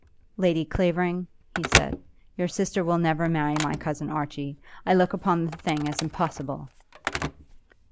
"Lady Clavering," he said, "your sister will never marry my cousin Archie. I look upon the thing as impossible."